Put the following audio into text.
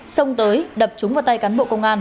xông tới đập chúng vào tay cán bộ công an